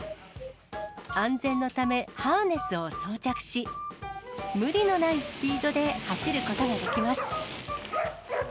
安全のため、ハーネスを装着し、無理のないスピードで走ることができます。